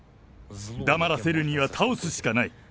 黙らせるには倒すしかない。